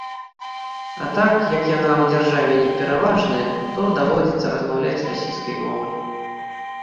А так як яна ў дзяржаве не пераважная, то даводзіцца размаўляць расійскай мовай.